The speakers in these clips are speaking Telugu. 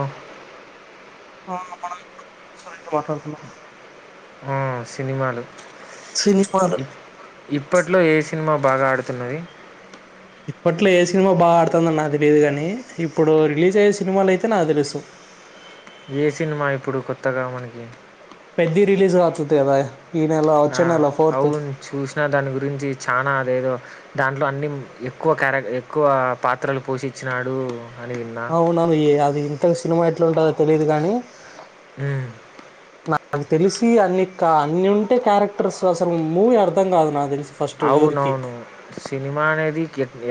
ఆ ఆ మనం ఇ గురించి మాట్లాడుతున్నాం ఆ సినిమాల సినిమాలు ఇప్పట్లో ఏ సినిమా బాగా ఆడుతున్నది ఇప్పట్లో ఏ సినిమా బాగా ఆడుతుంద నాకు తెలియదు కానీ ఇప్పుడు రిలీజ్ అయ్యే సినిమాలు అయితే నాకు తెలుసు ఏ సినిమా ఇప్పుడు కొత్తగా మనకి పెద్దది రిలీజ రాతుతే అదా ఆ అవును చూసినా దాని గురించి చనా అదేదో దాంట్లో అన్నిీ ఎక్కువ క్యారెక్ ఎక్కువ పాత్రలు పోషించినాడు అని విన్నా అవు నను అది సినిమా ఎట్లా ఉంటందో తెలియదు కాని అ నాకు తెలిసి అన్ని అన్ని ఉంటే క్యారెక్టర్స్ అసలు మూవీ అర్థం కాదు నాకు తెలిసి ఫస్ట్ ఎవరికి అవునవును సినిమా అనేది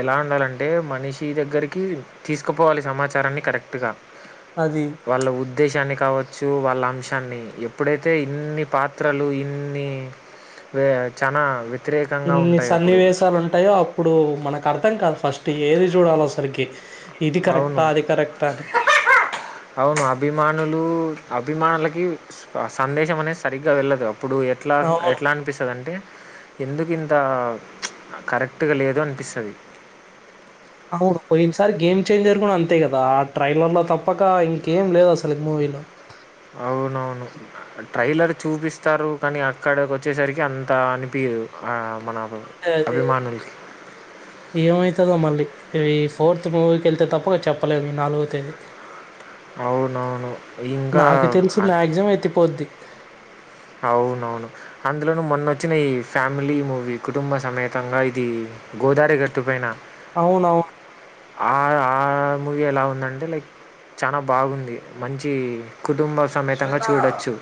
ఎలా ఉండాలండి అంటే మనిషి దగ్గరికి తీసుకుపోవాలి సమాచారాన్ని కరెక్ట్గా అది వాళ్ళ ఉద్దేశానికి కావచ్చు వాళ్ళ అంశాన్ని ఎప్పుడైతే ఇన్ని పాత్రలు ఇన్ని చాలా వ్యతిరేకంగా ఇన్ని ఉంటాయి అప్పుడు సన్నివేశాలు ఉంటాయో అప్పుడు మనకు నా అర్థం కాదు ఫస్ట్ ఏది చూడలోసరికి ఇది అవును కరెక్టా అది కరెక్టా అది అవును అభిమానులు అభిమానులకి సందేశం అనేది సరిగ్గా వెళ్ళదు అప్పుడు ఎట్లా అవును ఎట్లా అనిపిస్తుందింటే ఎందుకు ఇంత కరెక్ట్గా లేదు అనిపిస్తుంది అవును పోయినసారి గేమ్ చేంజర్ కూడా అంతే కదా ఆ ట్రైలర్ లో తప్పక ఇంకేం లేదు అసలు మూవీలో అవునవును ట్రైలర్ చూపిస్తారు కానీ అక్కడకి వచ్చేసరికి అంత అనిపిించదు ఆ మన అదే అభిమానులకి ఏమైతాదో మళ్ళీ ఇవి ఫోర్త్ మూవీకి వెళ్తే తప్ప చెప్పలేం ఈ నాలుగో తేదీ అవునవును ఇంగా నాకు తెలిసి మాక్సిమం ఎత్తిపోద్ది అవునవును అందులోను మొన్నొచ్చిన ఈ ఫ్యామిలీ మూవీ కుటుంబ సమేతంగా ఇది గోదారి గట్టు పైన అవునవును ఆ ఆ మూవీ ఎలా ఉందంటే లైక్ చానా బాగుంది మంచి కుటుంబ సమేతంగా చూడొచ్చు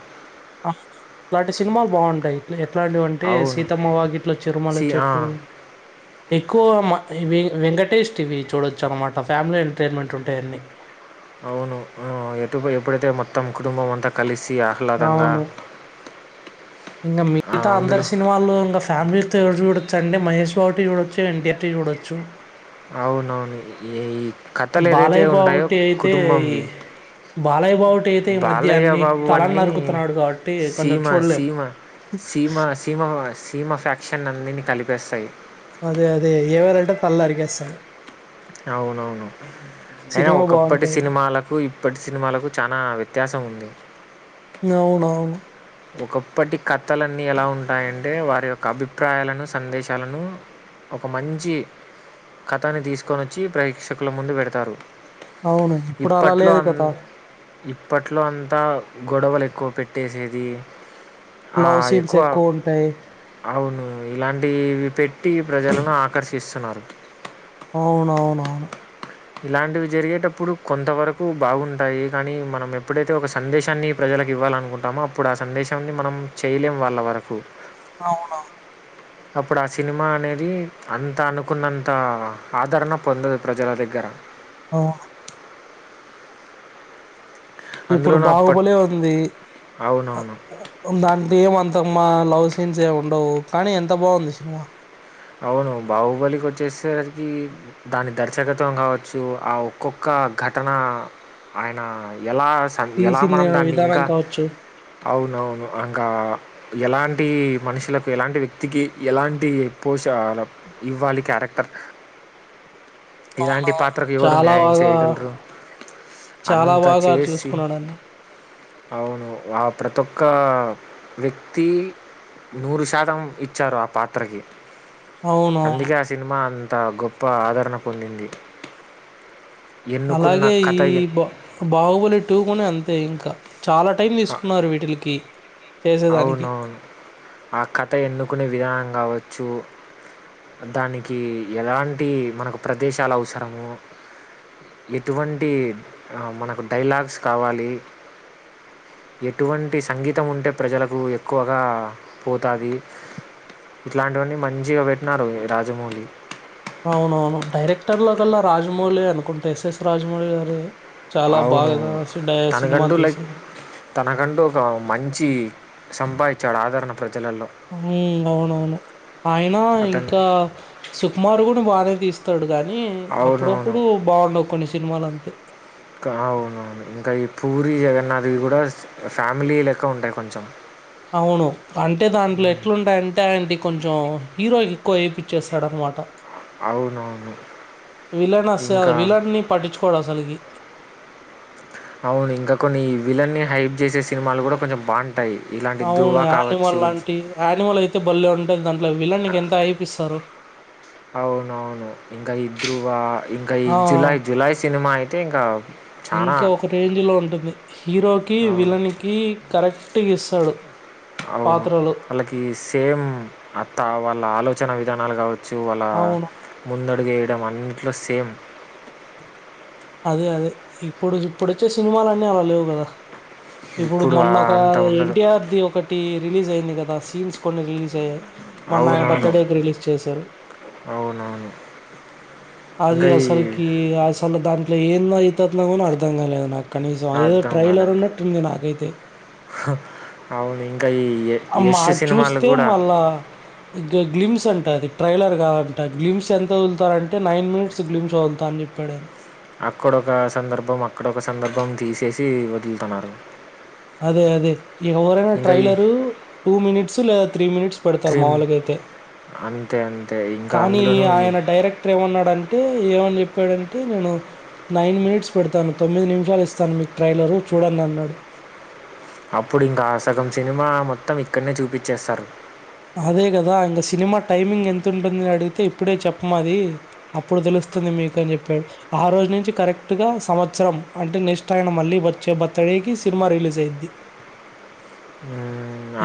ఇలాంటి సినిమాలు బావుంటాయ్ ఇట్లా ఎట్లాంటి వంటే అవును. సీతమ్మ వాకిట్లో చరిమల్లె సి ఆ! చెట్టు ఎక్కువ మ వే వెంకటేష్ టీవీ చూడొచ్చు అనమాట ఫ్యామిలీ ఎంటర్టైన్మెంట్ ఉంటాయన్నీ అవును ఆ ఎటు ఎప్పుడైతే మొత్తం కుటుంబం అంతా కలిసి సి ఆహ్లాదంగా ఇంగా ఆ! మిగతా అందులో అందరి సినిమాల్లో ఇంగా ఫ్యామిలీతో ఎవడు చూడ చండే మహేష్ బావుటి చూడచ్చు ఎన్టిర్టీ చూడొచ్చు అవునవును ఏయి బాలయ్య బావుటి అయితే ఈ బాలయ్య బావుటి అయితే ఈ మధ్య బాలయ్య అన్ని బాబు తలలు అన్నీ నరుకుతున్నాడు కాబట్టి కొంచెం సీమ చూడలేము సీమ థీమ్ ఆఫ్ యాక్షన్ అన్నిని కలిపేస్తాయి అదే అదే ఏమైనంటే తల నరికేస్తాడు అవునవును ఏయ్ సినిమా ఒకప్పటి బాగుంటాయి సినిమాలకు ఇప్పటి సినిమాలకు చనా వ్యత్యాసం ఉంది అవునవును ఒకప్పటి కథలన్నీ ఎలా ఉంటాయంటే వారి యొక్క అభిప్రాయాలను సందేశాలను ఒక మంచి కథని తీసుకొనచ్చి ప్రేక్షకుల ముందు పెడతారు అవును ఇప్పుడు అలా ఇప్పట్లో లేదు అన్ కదా ఇప్పట్లో అంతా గొడవలు ఎక్కువ పెట్టేసేది ఆ లవ్ సీన్స్ ఎక్కువ ఉంటాయి అవును ఇలాంటివి పెట్టి ప్రజలను ఆకర్షిస్తున్నారు అవునవునవును ఇలాంటివి జరిగేటప్పుడు కొంతవరకు బాగుంటాయి కానీ మనం ఎప్పుడైతే ఒక సందేశాన్ని ప్రజలకు ఇవ్వాలనుకుంటామో అప్పుడు ఆ సందేశాన్ని మనం చేయలేం వాళ్ళ వరకు అవునా అప్పుడు ఆ సినిమా అనేది అంత అనుకున్నంత ఆదరణ పొందదు ప్రజల దగ్ గ్గర అవును ఇప్పుడు అందులోనూ అప్పట్ బాహుబలే ఉంది అవునవును దాంట్లో ఏమంతం మా లవ్ సీన్స్ ఏ ఉండవు కానీ ఎంత బాగుంది సినిమా అవును బాహుబలికి వచ్చేసరికి దాని దర్శకత్వం కావచ్చు ఆ ఒక్కొక్క ఘటన ఆయన ఎలా సార్ ఎలా తీసింది మనం దాన్ని విధానం ఇంకా కావచ్చు అవునవును ఇంకా ఎలాంగ టి మనుషులకు ఎలాంటి వ్యక్తికి ఎలాంటి పోషణ ఇవ్వాలి క్యారెక్టర్ ఇలాంటి అవునవును పాత్రకు ఎవరు చాలా న్యాయం బాగా చేయగలరు. చాలా అంత బాగా చేసి చూసుకున్నాడాన్ని అవును ఆ ప్రతి ఒక్క వ్యక్తి నూరు శాతం ఇచ్చారు ఆ పాత్రకి అవునవును. అందుకే ఆ సినిమా అ గొప్ప ఆదరణ పొందింది ఎన్నుకున్న అలాగే ఈ కథ ఎన్ బా బాహుబలి టూ కూడాని అంతే ఇంకా చాలా టైం అ తీసుకున్నారు వీటిలికి అవునవును ఆ కథ ఎన్నుకునే విధాంగా కావచ్చు దానికి ఎలాంటి మనకు ప్రదేశాలు అవసరము ఎటువంటి ఆ మనకు డైలాగ్స్ కావలి ఎటువంటి సంగీతం ఉంటే ప్రజలకు ఎక్కువగా పోతాది ఇట్లాంటివన్నీ మంచిగా పెట్టినారు రాజమౌళి అవునవును డైరెక్టర్ లో కల్లా రాజమౌళి అనుకుంటే ఎస్ఎస్ రాజమౌళి గారి అవును తనకంటూ లైక్ తీశారు. తనకంటూ ఒక మంచి సంపాది జడాదరణం అవునవును ఆయన అతను ఇంకా సుకుమార్ కూడా బాగానే తీస్త తోడుగా కానీ అవునవును అప్పుడప్పుడు బాగుండవు కొన్ని సినిమాలు అంతే క- అవునవును ఇంకా ఈ పూరి జగన్నాథ్వి కూడా ఫ్యామిలీ లెక్క ఉంటాయి కొంచెం అవును అంటే దాంట్లో ఎట్లుంటాయ అంటే ఆయంటి కొంచెం హీరో ఎక్కువ వేయిపిచ్చేస్తాడ అనమాట అవునవును విలన్ అసలు ఇంకా విలన్‌ని పట్టించుకోడు అసలకి. అవును ఇంకా కొన్ని విలన్ హైప్ చేసే సినిమాలు కూడా కొంచెం బాగుంటాయి ఇలాంటి అవును ధృవ యానిమల్ కావచ్చు లాంటి యానిమల్ అయితే బళ్లే ఉంటేది దాంట్లో విలన్కిఎంత అయిపిస్తారు అవునవును ఇంక ఈ ధృవ ఆ ఇంకా చానా ఇంకా ఒక రేంజ్ లో ఉంటుంది హీరోకి అవును. విలన్ కి కరెక్ట్ టిగిస్తాడు అవును వాళ్ళకి సేమ్ అత్త వాళ్ళ ఆలోచన జనాలు కావచ్చు చ్చు వాళ్ళ అవును. ముంద అడు వేయటం అన్నిట్లో సేమ్ అదే అదే ఇప్పుడు ఇప్పుడు వచ్చే సినిమాలన్నీ అలా లేవు కదా ఇప్పుడు ఆ మొన్న ఒక అంత ఉండదు. ఎన్టీఆర్దిి ఒకటి రిలీజ్ అయింది కదా సీన్స్ కొన్ని రిలీజ్ అయ్యాయి మొన్న ఆయన అవునవును. బర్త్డేకి రిలీజ్ చేశారు అవునవును. అది ఇంకా ఈ అసలుకి సల్దా ఇట్లా ఏంన్నా అవుతున్నాకు అర్థం కాలేదు నాకు కనీసం అదేదో ట్రైలర్ ఉన్నట్టు ఉంది నాకైతే తే హా అవును ఇం మా చూస్తే మళ్ళా ఇ గ్లిమ్స్ అంట అది ట్రైలర్ గాదంట గ్లిమ్స్ ఎంత వదులుతారంటే నైన్ మినిట్స్ గ్లిమ్స్ వదులుతా అని చెప్పాడయన అక్కడొక సందర్భం అక్కడొక సందర్భం తీసేసి వదులుతున్నారు అదే అదే ఎవరైనా ఇంకా ఈ ట్రైలరూ టూ మినిట్స్ లేదా త్రీ మినిట్స్ పెడతారు. 'ట్రిమ్' మాముూలుగా అయితే అంతే అంతే. ఇంకా కానీ అందులోనూ ఈ ఆయన డైరెక్టర్ ఏమన్నాడంటే ఏమ ఏం చెప్పాడంటే నేను నైన్ మినిట్స్ పెడతాను తొమ్మిది నిమిషాలు ఇస్తాను మీకు ట్రైలరు చూడండి అన్నాడు అప్పుడు ఇంక ఆ సగం సినిమా మొత్తం ఇక్కడ్డ్నె చూపిచ్ఛేస్తారు. అదే గదా ఇంక సినిమా టైమింగ్ ఎంత ఉంటుంది అని అడిగితే ఇప్పుడే చెప్పమది అప్పుడు తెలుస్తుంది మీకు అని చెప్పాడు. ఆ రోజు నుంచి కరెక్ట్గా సంవత్సరం అంటే నెక్స్ట్ ఆయన మళ్ళీ వచ్చే బర్తడేకి సినిమా రిలీజ్ అయిద్ది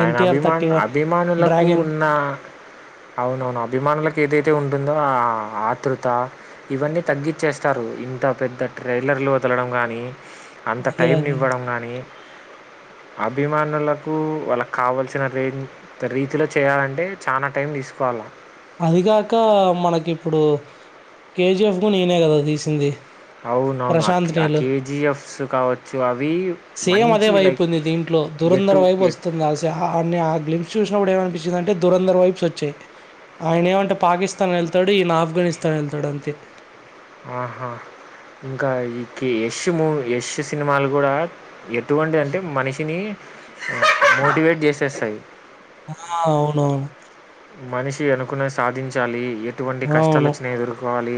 ఆయన ఎన్టీఆర్ అభిమాన్ థర్టీ వన్ అభిమాన్ నులకు డ్రాగన్ ఉన్న అవునవును అభిమానులకి ఏదైతే ఉంటుందో ఆ ఆతృత ఇవన్నీ తగ్గించేస్తారు ఇంత పెద్ద ట్రైలర్లో వదలడం గానీ అంత అదే టైంని అదే ఇవ్వడం గానీ అభిమానులకు వల కావల్సిన రేంజ్ రీతిలో చేయాలంటే చానా టైం తీసుకోవాలా అది గాక మనకి ఇప్పుడు కే జీ ఎఫ్ కు నేనే గదా తీసింది అవునవును ప్రశాంత్ ఆ నీలు కేజీఎఫ్స్ కావచ్చు అవి సేమ్ అదే మంచి వైపు లైక్ ఉంది దీంట్లో దురందర్ ఎటు వైబ్ ఎటు వస్తుంది అ ఆన్ని ఆ గ్లిమ్స్ చూసినప్పుడు ఏమనిపిస్తుంద్ ఎందంటే దురంధర వైబ్స్ వచ్చాయ్ ఆయన ఏమంటే పాకిస్తాన్ వెళ్తాడు ఈయన ఆఫ్ఘనిస్తాన్ వెళ్తాడు అంతే ఆహా ఇంకా ఇకి యష్ మూ యష్ సినిమాలు కూడా ఎటువంటి అంటే మనిషిని మోటివేట్ చేసేస్తాయి. ఆ అవునవును మనిషి అనుకున్నది సాధించాలి ఎటువంటి అవును కష్టాలొచ్చినా ఎదుర్కోవాలి.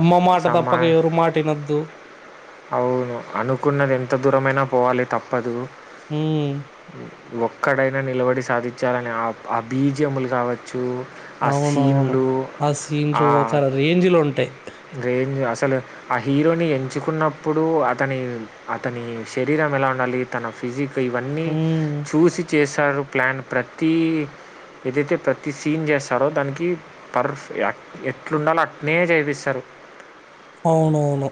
అమ్మ మాట సమా తప్పక ఎవరు మాట ఇనొద్దు. అవును అనుకున్నది ఎంత దూరమైనా పోవాలి తప్పదు. హ్మ్ ఎక్కడైనా నిలబడి సాధించాలని ఆ ఆబీజములు కావచ్చు. అవునవును ఆ సీన్లు ఆ ఒక రేంజ్ లో ఉంటయ్. రేంజ్ అసలు ఆ హీరోని ఎంచుకున్న ఇప్పుడు అతని అతని శరీరం ఎలా ఉండాలి తన ఫిజిక్ ఇంక ఇవన్నీ హ్మ్. చూసి చ చేస్తారు ప్లాన్ ప్రతీ ఎదైతే ప్రతి సీన్ చేస్తారో దానికి పర్ఫ్ ఎట్లుండాలో అట్నే చేపిస్తారు. అవునవును.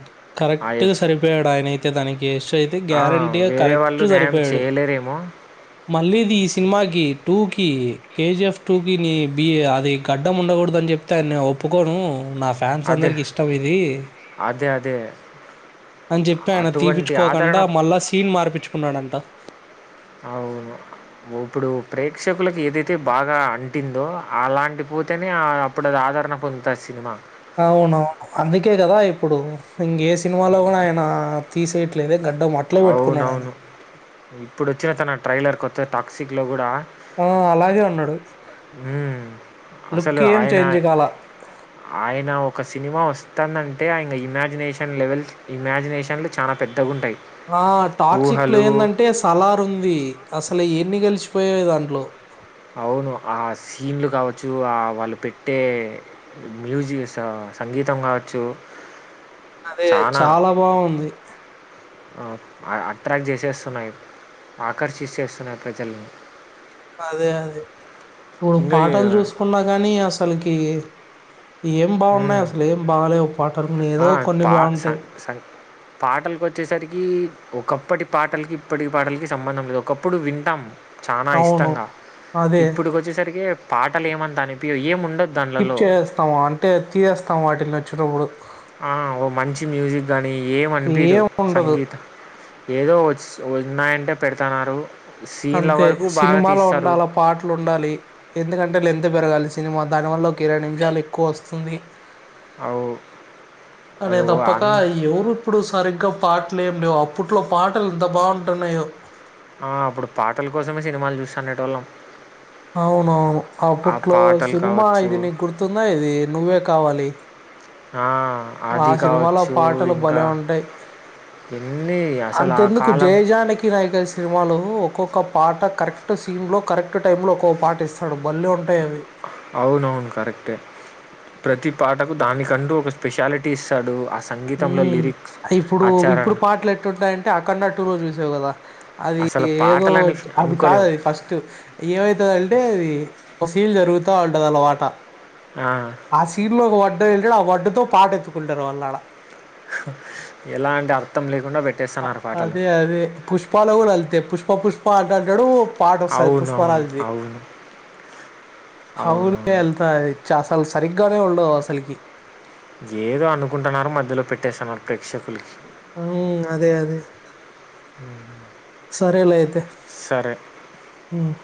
ఆ కరెక్ట్ గా ఎఫ్ సరిపోయాడు ఆయన అయితే దానికి‌ యష్‌ అయిత్ తే గ్యారంటీగా వేరే కరెక్ట్ వాళ్ళు న్యాయం సరిపోయాడు చేయలేరేమో మళ్ళీ తీసి సినిమాకి టూ కి కేజిఎఫ్ టూ కి ని బిఏ అది గడ్డం ఉండకూడదు అని చెప్తే ఆయన నేను ఒప్పుకోను నా ఫ్యాన్స్ అదే అందరికీ ఇష్టం ఇది అదే అదే అని చెప్పి ఆయన అటువంటి ఆదరణ తీపిచ్చుకోకుండా మళ్ళా సీన్ మార్పిచ్చుకున్నాడంట వ అవును ఇప్పుడు ప్రేక్షకులకు ఏదైతే బాగా అంటిందో అలాంటి పుతనే అప్పుడు అది ఆదరణ పొందుతాది సినిమా అవునవును అందుకే గదా ఇప్పుడు ఇంగే సినిమాలో కూడా ఆయన తీసేయట్లేదే గడ్డం అట్లే బెట్టుకున్నాడాయన. అవునవును ఇప్పుడు వచ్చిన తన ట్రైలర్ కొత్త టాక్సిక్ లో కూడా ఆ అలాగే ఉన్నాడు హ్మ్. అసలు లుక్ ఏం ఆయన, చేంజ్ కాల ఆయన ఒక సినిమా వస్తుందంటే ఆయన ఇమాజినేషన్ లెవెల్ ఇమాజినేషన్లు చాలా పెద్దగా ఉంటాయి ఆ టాక్సిక్లో ఏందంటే సలార్ ఉంది అసలు ఎన్ని కలిచిపోయాయో దాంట్లో అవును ఆ సీన్లు కావచ్చు ఆ వాళ్ళు పెట్టే మ్యూజిక్ సంగీతం కావచ్చు అదే చాలా బాగుంది అట్రాక్ట్ చేసేస్తున్నాయి ఆకర్షిస్తేస్తున్నాయి ప్రజలని అదే ఇప్పుడు పాటలు యా చూసుకున్నా గాని అసలుకి కే ఏం బాగున్నాయి హ్మ్. అసలు ఏం బాలే పా స పాటలలకు వచ్చేసరికి ఒకప్పటి పాటలకి ఇప్పటి పాటలకి సంబంధం లేదు ఒకప్పుడు వింటాం చాలా అవును. ఇష్టంగా అదే. ఇప్పటికి వచ్చేసరికి పాటలు ఏమాను ఏము ఉండ స్కిప్ చేసేస్తాము అంటే తీసేస్తాము వాటిని వచ్చినప్పుడు ఆ ఓ మంచి మ్యూజిక్ గాని ఏం అనిపిదు ఏం ఉండదు. సంగీతం ఏదో ఉన్నాయంటే పెడతున్నారు అంతే సినిమాలో ఉండాల పాటలు ఉండాలి ఎందుకంటే గంటల లెంత పెరగాలి సినిమా దానివల్లకి ఇరవై నిమిషాలు ఎక్కువ వస్తుంది అవు అనే అలో తప్పక అన్ ఎవరు ఇప్పుడు సరిగ్గా పాటలే అప్పట్లో పాటలు ఎంత బాగుంటున్నాయో ఆ అప్పుడు పాటల కోసమే సినిమాలు చూస్తానెటోల్లం అవునవును అప్పట్లో పాటలు సినిమా కావచ్చు ఇది నీ గుర్తుందా ఇది నువ్వే కావాలి ఆ ఆ అది సినిమాలో కావచ్చు పాటలు ఇంకా భలే ఉంటాయి ఎన్ని అసలు ఆ అంతెందుకు కాలం జయజానికి నా కలిసి సినిమాలు ఒక్కొక్క పాట కరెక్ట్ సీన్ లో కరెక్ట్ టైమ్ లో ఒక్కొక్క పాట ఇస్తాడు భలే ఉంటాయి అవి అవునవును కరెక్టే ప్రతి పాటకు దానికంటూ ఒక స్పెషాలిటీ ఇస్తాడు సంగీతంలో మ్మ్ లిరిక్స్ ఇప్పుడు ఆచరణ ఇప్పుడు పాటలు ఎట్టుంటాయంటే ఆ కన్నా టూర్ చూసి దుగ అది అసలు ఏదో పాటలని అది కాదు అనుకోలేము అది ఫస్ట్ఏమైతదంటె అది ఒ సీల్ జరుగుతా ఉంటది అలవాట ఆ, ఆ సీన్ లో ఒక వడ్డ వె ఆ వడ్డుతో పాఠతుకుంటరు అల్లడ ఎలా అంటే అర్థం లే అదే అదే పుష్పాలు కూడాలో వెళ్తాయి పుష్ప పుష్ప అంట అంటాడు పాట వస్తాది పుష్పా అవునవును రాజ్ ది అవును అవును అవునవును వెళ్తాయి చ అసలు సరిగ్గానే ఉండవు అసలకి ఏదో అనుకుంటున్నారు మధ్యలో పెట్టేస్తున్నారు ప్రేక్షకులకి హుమ్మ్ అదే అదే సరేలే అయితే సరే హుమ్మ్